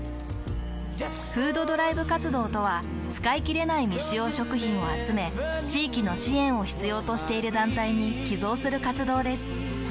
「フードドライブ活動」とは使いきれない未使用食品を集め地域の支援を必要としている団体に寄贈する活動です。